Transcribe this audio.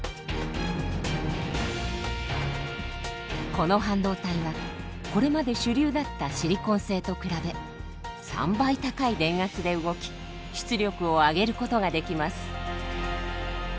この半導体はこれまで主流だったシリコン製と比べ３倍高い電圧で動き出力を上げることができます。